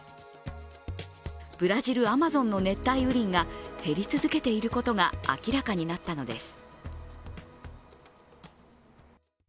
ブラジルアマゾンの熱帯雨林が減り続けていることが明らかになったのです。